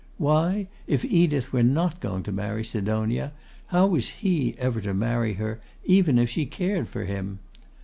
Why, if Edith were not going to marry Sidonia, how was he ever to marry her, even if she cared for him?